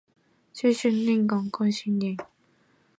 哈密棘豆为豆科棘豆属下的一个种。